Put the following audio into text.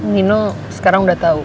nino sekarang udah tau